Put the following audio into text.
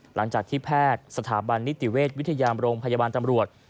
หลังจากที่แพทย์สถาบันนิติเวชวิทยามโรงพยาบาลตำรวจ